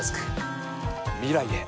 未来へ。